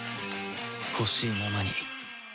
ほしいままに